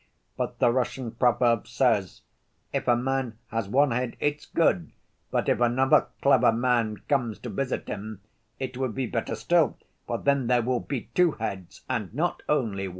But the Russian proverb says, 'If a man has one head, it's good, but if another clever man comes to visit him, it would be better still, for then there will be two heads and not only one.